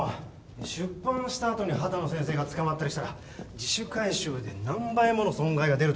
出版した後に秦野先生が捕まったりしたら自主回収で何倍もの損害が出るところでした。